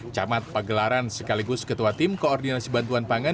camat pagelaran sekaligus ketua tim koordinasi bantuan pangan